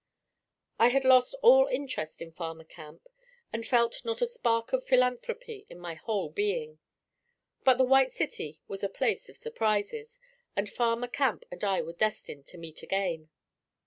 I had lost all interest in Farmer Camp, and felt not a spark of philanthropy in my whole being. But the White City was a place of surprises, and Farmer Camp and I were destined to meet again.